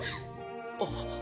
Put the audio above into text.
あっ。